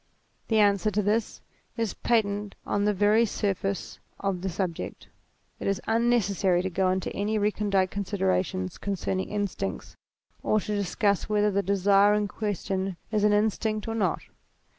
The answer to this is patent on the very surface of the subject. It is unnecessary to go into any recondite considerations concerning instincts, or to discuss whether the desire in question is an instinct or not.